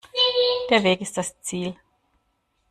Der Weg ist das Ziel.